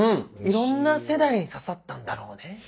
いろんな世代に刺さったんだろうね。